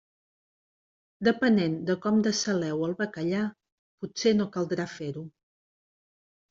Depenent de com dessaleu el bacallà, potser no caldrà fer-ho.